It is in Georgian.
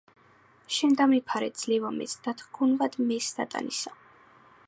შენ დამიფარე, ძლევა მეც დათრგუნვად მე სატანისა,